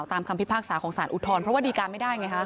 กราบพิพากษาของศาลอุทธรรมเพราะว่าดีการไม่ได้ไงเลยครับ